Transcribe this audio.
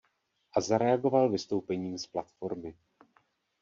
A zareagoval vystoupením z Platformy.